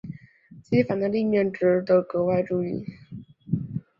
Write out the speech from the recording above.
机房的立面值得格外注意。